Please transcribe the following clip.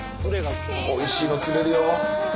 おいしいの釣れるよ。